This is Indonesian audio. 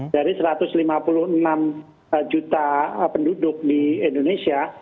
dari seratus lima puluh enam juta penduduk di indonesia